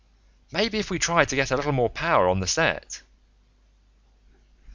"Maybe if we tried to get a little more power on the set...."